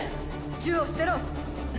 銃を捨てろ！